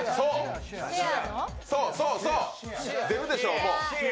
出るでしょう、もう。